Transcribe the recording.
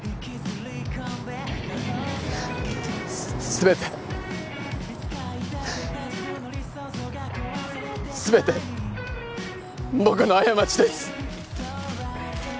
全て全て僕の過ちです。